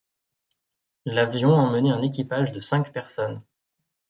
L'avion emmenait un équipage de cinq personnes.